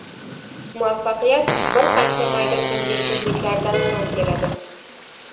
• Muvaffaqiyat bir qancha mayda ko‘ngilsizliklardan so‘ng keladi.